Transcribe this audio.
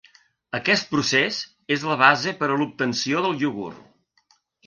Aquest procés és la base per a l'obtenció del iogurt.